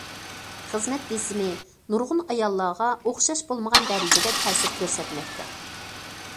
خىزمەت بېسىمى نۇرغۇن ئاياللارغا ئوخشاش بولمىغان دەرىجىدە تەسىر كۆرسەتمەكتە.